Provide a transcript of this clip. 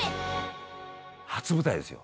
初舞台ですよ。